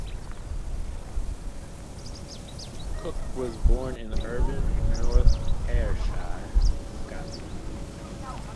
Cook was born in Irvine, North Ayrshire, Scotland.